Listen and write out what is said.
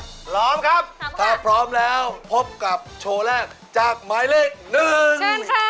พร้อมครับถ้าพร้อมแล้วพบกับโชว์แรกจากหมายเลขหนึ่ง